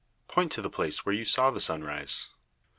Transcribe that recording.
Point to the place where you saw the sun rise.